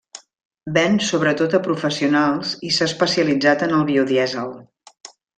Ven sobretot a professionals i s'ha especialitzat en el biodièsel.